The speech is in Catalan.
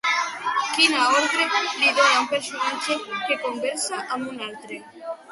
Quina ordre li dona un personatge que conversa amb un altre?